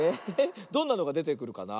どんなのがでてくるかな？